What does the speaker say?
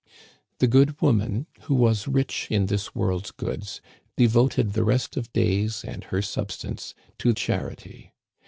The good woman, who was rich in this world's goods, devoted the rest of days and her substance to charity.